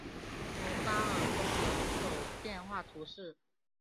蒙巴尔东人口变化图示